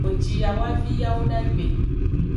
Wo ji yawavi yawodagbe.